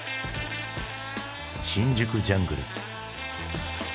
「新宿ジャングル」。